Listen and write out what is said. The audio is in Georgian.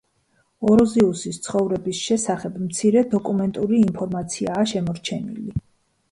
ოროზიუსის ცხოვრების შესახებ მცირე დოკუმენტური ინფორმაციაა შემორჩენილი.